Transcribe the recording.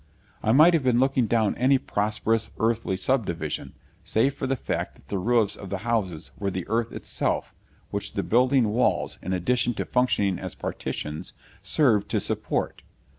I might have been looking down any prosperous earthly subdivision, save for the fact that the roofs of the houses were the earth itself, which the building walls, in addition to functioning as partitions, served to support.